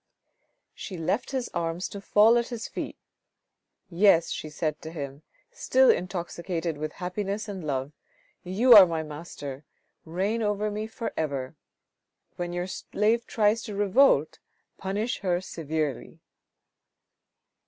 She left his arms to fall at his feet. " Yes," she said to him, still intoxicated with happiness and with love, " you are my master, reign over me for ever. When your slave tries to revolt, punish her severely."